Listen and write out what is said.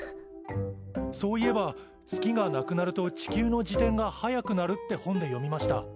そういえば月がなくなると地球の自転が速くなるって本で読みました。